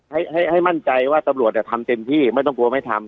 ให้ให้มั่นใจว่าตำรวจทำเต็มที่ไม่ต้องกลัวไม่ทำ